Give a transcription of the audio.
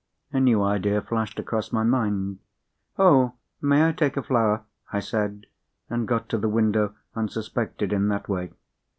A new idea flashed across my mind. "Oh! may I take a flower?" I said—and got to the window unsuspected, in that way.